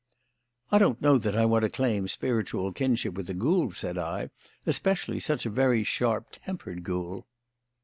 "I don't know that I want to claim spiritual kinship with a ghoul," said I; "especially such a very sharp tempered ghoul."